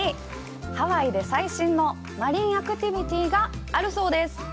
ハワイで最新のマリンアクティビティがあるそうです！